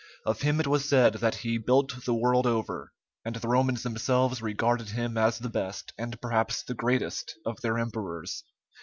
Of him it was said that he "built the world over," and the Romans themselves regarded him as the best, and perhaps the greatest of their emperors.